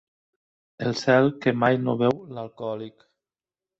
El cel que mai no veu l'alcohòlic.